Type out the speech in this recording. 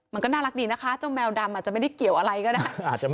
มันก็น่ารักดีนะคะเจ้าแมวดำอาจจะไม่ได้เกี่ยวอะไรก็ได้